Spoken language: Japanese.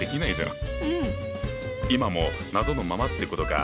今も謎のままってことか。